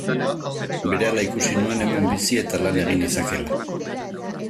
Berehala ikusi nuen hemen bizi eta lan egin nezakeela.